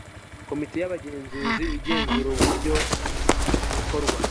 komite y'abagenzuzi igenzura uburyo bikorwa